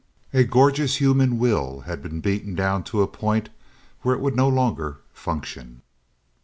A gorgeous human will had been beaten down to a point where it would no longer function.